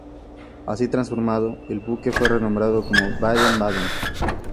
Así transformado, el buque fue renombrado como "Baden-Baden".